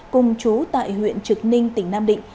cùng chú tại huyện trực ninh tỉnh nam định